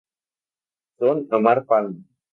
Son Amar Palma.